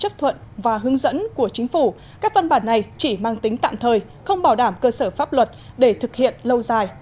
qua hướng dẫn của chính phủ các văn bản này chỉ mang tính tạm thời không bảo đảm cơ sở pháp luật để thực hiện lâu dài